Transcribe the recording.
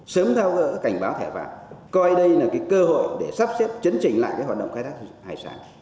sớm thao gỡ cảnh báo thẻ vàng coi đây là cơ hội để sắp xếp chấn chỉnh lại hoạt động khai thác hải sản